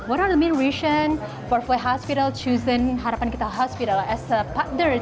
apa masalahnya puhai hospital memilih harapan kita hospital sebagai pasangan untuk berserah